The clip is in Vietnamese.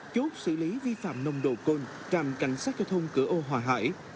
chốt xử lý vi phạm nồng độ côn tràm cảnh sát giao thông cửa ô hòa hải